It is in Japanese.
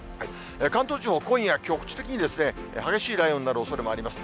関東地方、今夜、局地的に激しい雷雨になるおそれもあります。